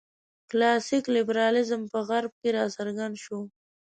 کلاسیک لېبرالېزم په غرب کې راڅرګند شو.